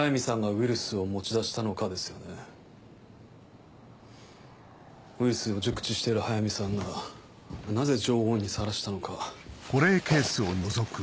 ウイルスを熟知している速水さんがなぜ常温にさらしたのか。